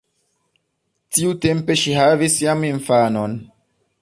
Tiutempe ŝi havis jam infanon.